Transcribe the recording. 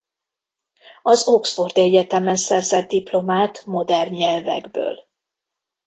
Az Oxfordi Egyetem-en szerzett diplomát modern nyelvekből.